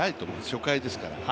初回ですから。